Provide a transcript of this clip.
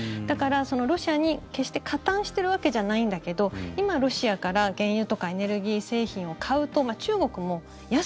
だからロシアに決して加担してるわけじゃないんだけど今、ロシアから原油とかエネルギー製品を買うと